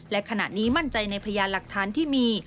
และขณะนี้มั่นใจในพยานหลักฐานที่มี